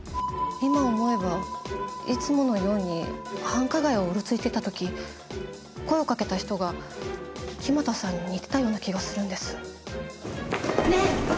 今思えばいつものように繁華街をうろついてた時声をかけた人が木俣さんに似てたような気がするんです。ねえ！